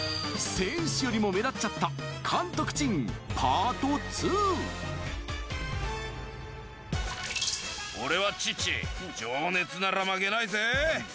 選手よりも目立っちゃった俺はチッチ情熱なら負けないぜ。